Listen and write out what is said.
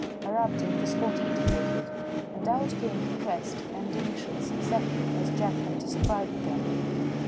I rubbed in the spot indicated, and out came the crest and initials exactly as Jack had described them.